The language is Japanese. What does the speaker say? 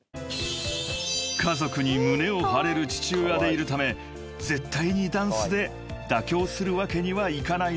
［家族に胸を張れる父親でいるため絶対にダンスで妥協するわけにはいかないのです］